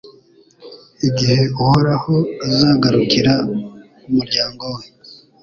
Igihe Uhoraho azagarukira umuryango we